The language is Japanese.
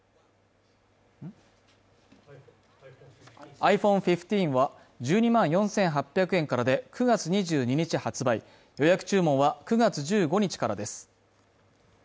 ｉＰｈｏｎｅ１５は１２万４８００円からで９月２２日発売予約注文は９月１５日からです